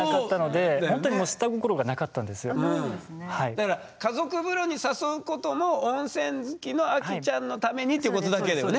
だから家族風呂に誘うことも温泉好きのアキちゃんのためにっていうことだけだよね。